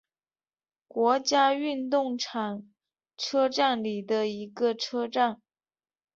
国家运动场车站里的一个车站。